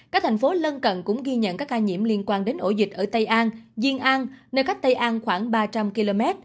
các thành phố lân cận cũng ghi nhận các ca nhiễm liên quan đến ổ dịch ở tây an duyên an nơi cách tây an khoảng ba trăm linh km